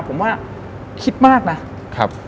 ผมว่าคิดมากนะ